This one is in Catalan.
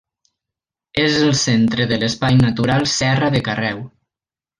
És el centre de l'Espai natural Serra de Carreu.